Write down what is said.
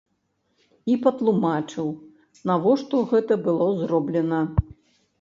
І патлумачыў, навошта гэта было зроблена.